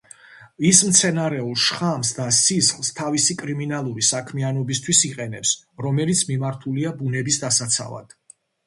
ის მცენარეულ შხამს და სისხლს, თავისი კრიმინალური საქმიანობისთვის იყენებს, რომელიც მიმართულია ბუნების დასაცავად.